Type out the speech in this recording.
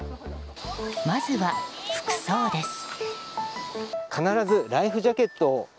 まずは服装です。